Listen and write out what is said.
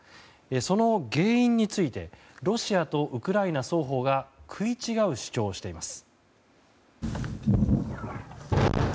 その原因についてロシアとウクライナ双方が食い違う主張をしています。